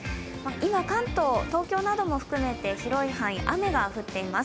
今、関東、東京なども含めて雨が降っています。